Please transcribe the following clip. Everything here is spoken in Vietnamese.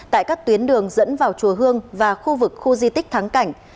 tại các tuyến đường dẫn vào chùa hương và khu vực khu di tích thắng cảnh